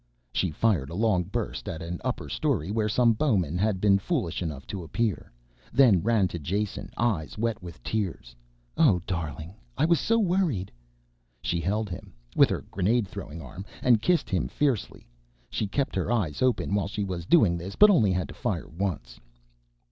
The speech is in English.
She fired a long burst at an upper story where some bowmen had been foolish enough to appear, then ran to Jason, eyes wet with tears. "Oh, darling, I was so worried." She held him with her grenade throwing arm and kissed him fiercely. She kept her eyes open while she was doing this but only had to fire once.